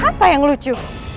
apa yang lucu